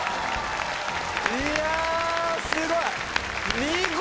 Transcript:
いやすごい！